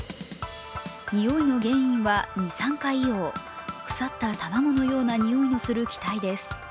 においの原因は二酸化硫黄、腐った卵のような臭いのする気体です。